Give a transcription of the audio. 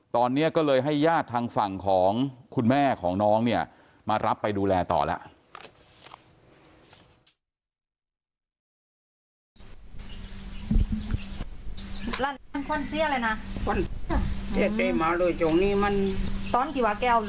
ตอนนี้ก็เลยให้ญาติทางฝั่งของคุณแม่ของน้องเนี่ยมารับไปดูแลต่อแล้ว